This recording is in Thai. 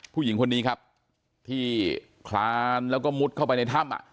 ผู้หญิงคนนี้ครับที่คลานแล้วก็มุดเข้าไปในถ้ำ